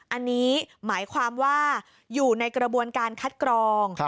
อันนี้หมายความว่าอยู่ในกระบวนการคัดกรอง